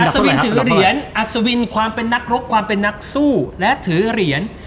สวินถือเหรียญอัศวินความเป็นนักรบความเป็นนักสู้และถือเหรียญ